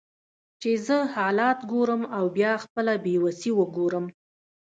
چې زه حالات ګورم بیا خپله بیوسي وګورم